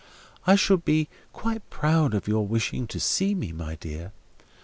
I should be quite proud of your wishing to see me, my dear.